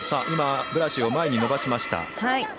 ブラシを前に伸ばしました。